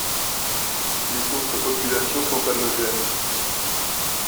Les autres populations sont allogènes.